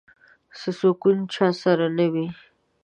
څه سکون چا سره نه وي